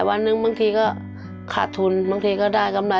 วันหนึ่งบางทีก็ขาดทุนบางทีก็ได้กำไร